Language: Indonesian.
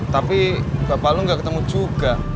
tapi bapak lu nggak ketemu juga